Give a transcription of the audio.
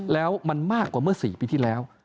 แล้วมันมากกว่าเมื่อ๔ปีที่แล้ว